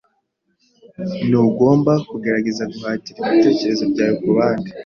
Ntugomba kugerageza guhatira ibitekerezo byawe kubandi.